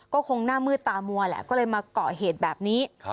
ก็คงหน้ามืดตามัวแหละก็เลยมาเกาะเหตุแบบนี้